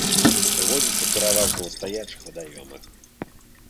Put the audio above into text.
Водзіцца пераважна ў стаячых вадаёмах.